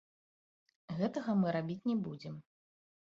Гэтага мы рабіць не будзем.